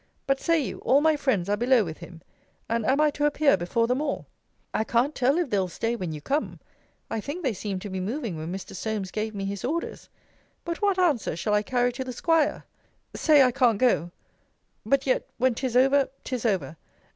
But say you, all my friends are below with him? And am I to appear before them all? I can't tell if they'll stay when you come. I think they seemed to be moving when Mr. Solmes gave me his orders. But what answer shall I carry to the 'squire? Say, I can't go! but yet when 'tis over, 'tis over!